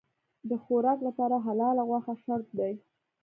د خوراک لپاره حلاله غوښه شرط دی.